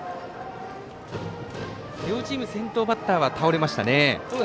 両チーム先頭バッターは倒れましたね。